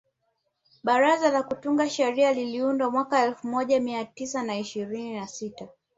Baraza la kutunga sheria liliundwa mwaka elfu moja mia tisa na ishirini na sita